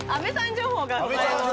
情報がございます。